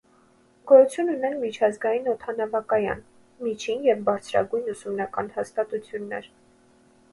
Գոյություն ունեն միջազգային օդանավակայան, միջին և բարձրագույն ուսումնական հաստատություններ։